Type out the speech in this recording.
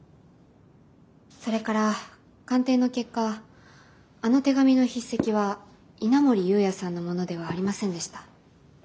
それから鑑定の結果あの手紙の筆跡は稲森有也さんのものではありませんでした。